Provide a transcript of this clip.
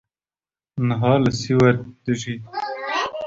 niha li Swêd dijî